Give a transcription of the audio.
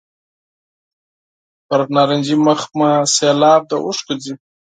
پر نارنجي مخ مې سېلاب د اوښکو ځي.